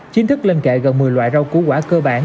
chính thức lên kệ gần một mươi loại rau củ quả cơ bản